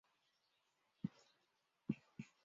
展毛翠雀花为毛茛科翠雀属下的一个变种。